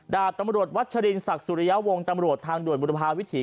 ธรรมวรรดิวัชฌรินสักสุริยาวงตำรวจทางโดดมูธภาวิถี